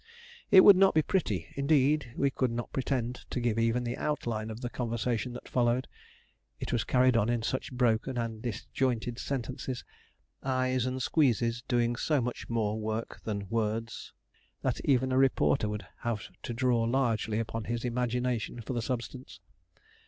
It would not be pretty indeed, we could not pretend to give even the outline of the conversation that followed. It was carried on in such broken and disjointed sentences, eyes and squeezes doing so much more work than words, that even a reporter would have had to draw largely upon his imagination for the substance.